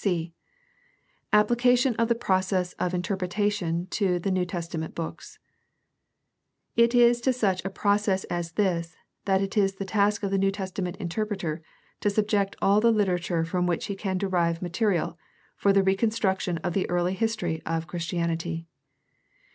c) Application of the process of interpretation to the New Testament hooks. — It is to such a process as this that it is the task of the New Testament interpreter to subject all the literature from which he can derive material for the recon struction of the early history of Christianity.